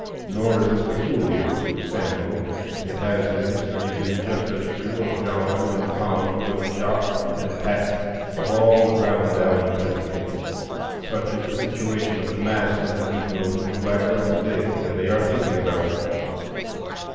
Nor is this peculiar to Sambo; it has in history been just as true of John and Hans, of Jacques and Pat, of all ground down peasantries. Such is the situation of the mass of the Negroes in the Black Belt to day; and they are thinking about it.